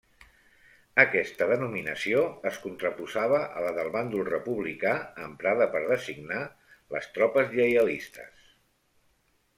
Aquesta denominació es contraposava a la del bàndol republicà emprada per designar les tropes lleialistes.